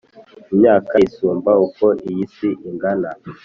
Imyaka isumba uko iyi si ingana